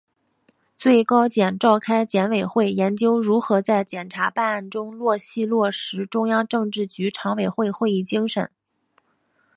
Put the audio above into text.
最高检召开检委会研究如何在检察办案中落细落实中央政治局常委会会议精神